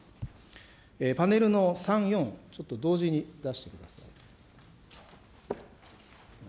パネルの３、４、ちょっと同時に出してください。